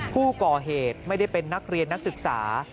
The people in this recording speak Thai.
ผู้ก่อเหตุไม่ได้เป็นนักเรียนนักศึกษา